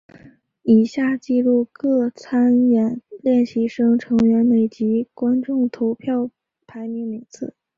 以下记录各参演练习生成员每集观众投票排名名次。